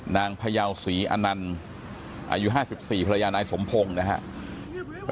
พยาวศรีอนันต์อายุ๕๔ภรรยานายสมพงศ์นะครับ